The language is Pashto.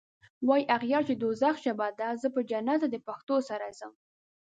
واي اغیار چی د دوږخ ژبه ده زه به جنت ته دپښتو سره ځم